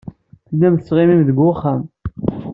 Tellam tettɣimim deg wexxam.